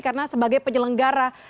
karena sebagai penyelenggara